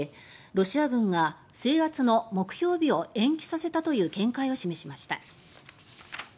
ロシア軍が制圧の目標日を延期させたという見解を示しました。